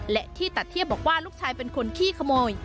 และที่ตะเทียบบอกว่าลูกชายเป็นคนขี้ขโมย